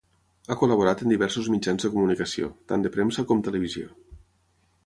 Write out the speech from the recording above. Ha col·laborat en diversos mitjans de comunicació, tant de premsa com televisió.